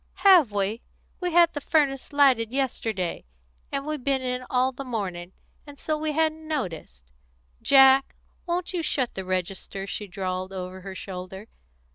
"Have we? We had the furnace lighted yesterday, and we've been in all the morning, and so we hadn't noticed. Jack, won't you shut the register?" she drawled over her shoulder.